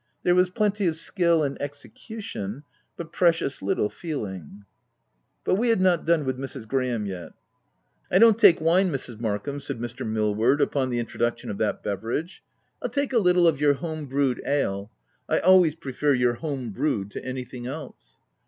There was plenty of skill and execution, but precious little feeling. But we had not done with Mrs. Graham yet. " I don't take wine Mrs. Markham," said Mr. Millward, upon the introduction of that beverage ;" Pll take a little of your home brewed ale. I always prefer your home brewed to any thing else."